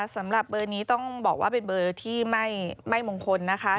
สำหรับเบอร์นี้ต้องบอกว่าเป็นเบอร์ที่ไม่มงคลนะคะ